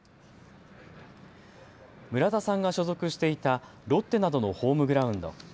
村田さんが所属していたロッテなどのホームグラウンド